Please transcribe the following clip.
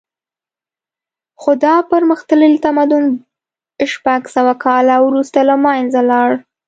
خو دا پرمختللی تمدن شپږ سوه کاله وروسته له منځه لاړ